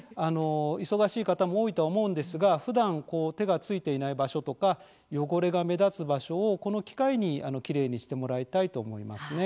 忙しい方も多いとは思うんですがふだん手がついていない場所とか汚れが目立つ場所を、この機会にきれいにしてもらいたいと思いますね。